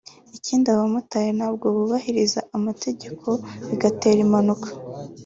Ikindi abamotari ntabwo bubahiriza amategeko bigatera impanuka